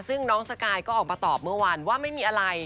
ซึ่งน้องสกายก็ออกมาตอบเมื่อวานว่าไม่มีอะไร